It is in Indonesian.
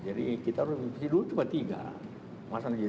jadi kita harus efisi dulu cuma tiga masa nanti sepuluh